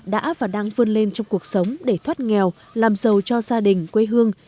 đã và đang vươn lên trong cuộc sống để thoát nghèo làm giàu cho gia đình quê hương